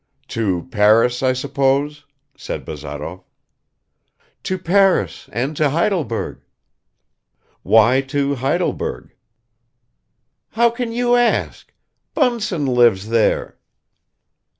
"To Paris, I suppose," said Bazarov. "To Paris and to Heidelberg." "Why to Heidelberg?" "How can you ask! Bunsen lives there!"